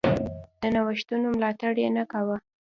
د نوښتونو ملاتړ یې نه کاوه.